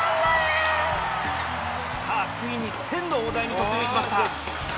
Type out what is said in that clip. さぁついに１０００の大台に突入しました。